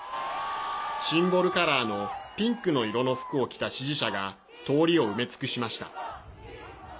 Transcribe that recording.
シンボルカラーのピンクの色の服を着た支持者が通りを埋め尽くしました。